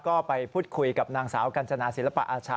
ก็ไปพูดคุยกับนางสาวกัญจนาศิลปะอาชา